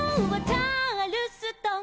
「チャールストン」